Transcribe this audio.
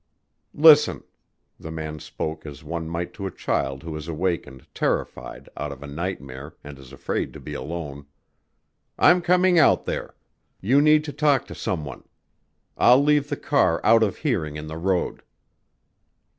"Listen." The man spoke as one might to a child who has awakened, terrified, out of a nightmare and is afraid to be alone. "I'm coming out there. You need to talk to some one. I'll leave the car out of hearing in the road."